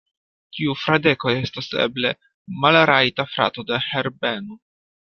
Tiu Fradeko estas eble malrajta frato de Herbeno.